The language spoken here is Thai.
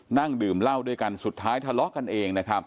นั่งดื่มเหล้าด้วยกันสุดท้ายทะเลาะกันเองนะครับ